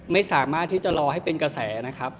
ไม่สามารถที่จะรอให้เป็นกระแสนะครับ